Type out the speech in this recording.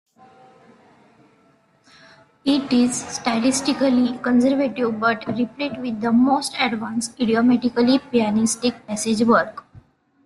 It is stylistically conservative but replete with the most advanced, idiomatically pianistic passage-work.